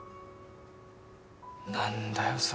何だよ？